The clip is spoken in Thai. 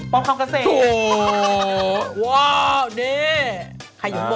โฟกัสใคร